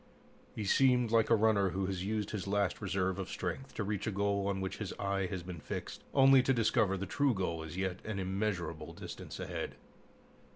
He seemed like a runner who has used his last reserve of strength to reach a goal on which his eye has been fixed, only to discover the true goal is yet an immeasurable distance ahead.